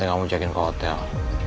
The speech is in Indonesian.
saya gak mau cekin ke hotel